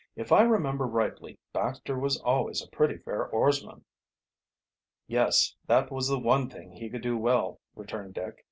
"If I remember rightly, Baxter was always a pretty fair oarsman." "Yes, that was the one thing he could do well," returned Dick.